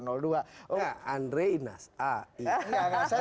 nah andre inas a ini